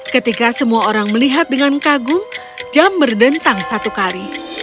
ketika semua orang melihat dengan kagum jam berdentang satu kali